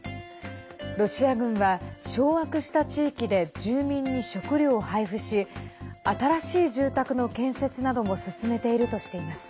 ロシア軍は掌握した地域で住民に食料を配布し新しい住宅の建設なども進めているとしています。